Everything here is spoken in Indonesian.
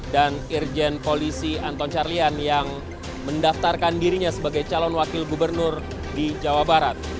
dan irjen polisi anton carlian yang mendaftarkan dirinya sebagai calon wakil gubernur di jawa barat